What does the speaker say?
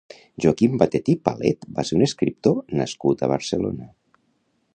Joaquim Batet i Palet va ser un escriptor nascut a Barcelona.